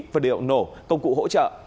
và điều nổ công cụ hỗ trợ